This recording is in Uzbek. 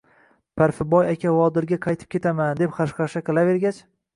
Parfiboy aka Vodilga qaytib ketaman, deb xarxasha qilavergach